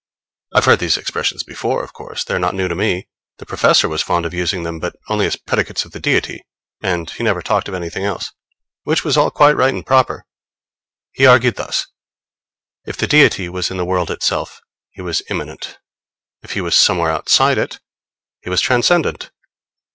I've heard these expressions before, of course; they are not new to me. The Professor was fond of using them, but only as predicates of the Deity, and he never talked of anything else; which was all quite right and proper. He argued thus: if the Deity was in the world itself, he was immanent; if he was somewhere outside it, he was transcendent.